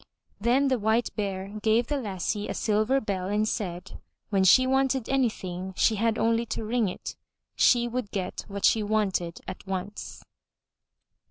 Then the White Bear gave the lassie a silver bell and said when she wanted anything she had only to ring it. She would get what she wanted at once.